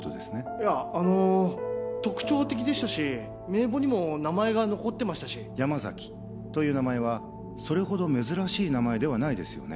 いやあの特徴的でしたし名簿にも名前が残ってましたし山崎という名前はそれほど珍しい名前ではないですよね？